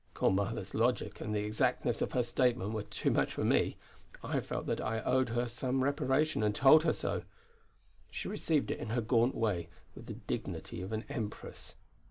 Gormala's logic and the exactness of her statement were too much for me. I felt that I owed her some reparation and told her so. She received it in her gaunt way with the dignity of an empress.